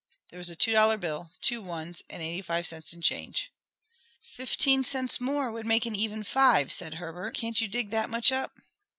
There was a two dollar bill, two ones, and eighty five cents in change. "Fifteen cents more would make an even five," said Herbert. "Can't you dig that much up?"